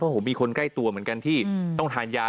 ผมมีคนใกล้ตัวเหมือนกันที่ต้องทานยา